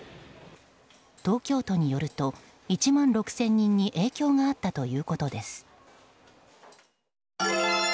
東京都によると１万６０００人に影響があったということです。